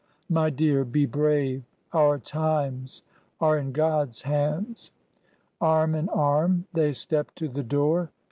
My dear, be brave ! Our times are in God's hands." Arm in arm they stepped to the door.